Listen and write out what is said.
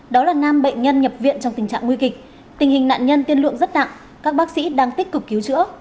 đó là nam bệnh nhân nhập viện trong tình trạng nguy kịch tình hình nạn nhân tiên lượng rất nặng các bác sĩ đang tích cực cứu chữa